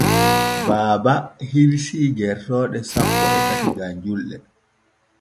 Baaba hirsii gertooɗo sappo e ɗiɗi gam julɗe.